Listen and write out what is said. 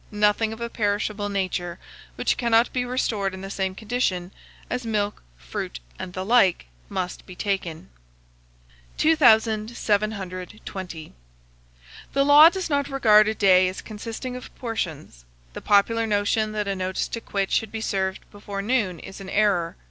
Nothing of a perishable nature, which cannot be restored in the same condition as milk, fruit, and the like, must be taken. 2720. The law does not regard a day as consisting of portions. The popular notion that a notice to quit should be served before noon is an error.